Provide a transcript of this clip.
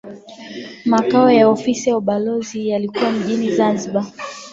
Makao ya ofisi za ubalozi yalikuwa Mjini Zanzibar